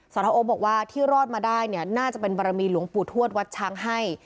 ศโอ๊กบอกว่าที่รอดมาได้น่าจะเป็นบริมีรงค์ปู่ถ้วนวัดช้างให้